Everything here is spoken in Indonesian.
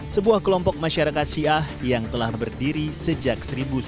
sebuah kelompok masyarakat syiah yang telah berdiri sejak seribu sembilan ratus sembilan puluh